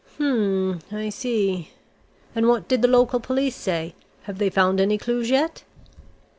"Hmm. I see. And what did the local police say? Have they found any clues yet?"